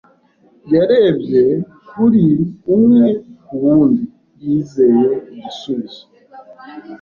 Yarebye kuri umwe ku wundi, yizeye igisubizo.